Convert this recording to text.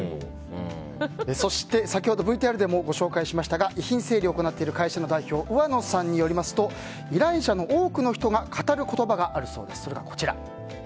そして、先ほどＶＴＲでもご紹介しましたが遺品整理を行っている会社の代表上野さんによりますと依頼者の多くの人が語る言葉があるそうです。